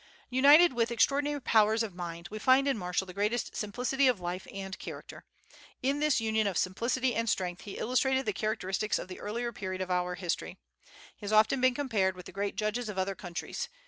United with extraordinary powers of mind, we find in Marshall the greatest simplicity of life and character. In this union of simplicity and strength he illustrated the characteristics of the earlier period of our history. He has often been compared with the great judges of other countries.